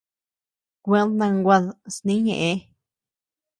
Kueʼëd kanguad snï ñeʼe.